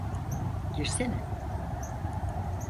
Girsene.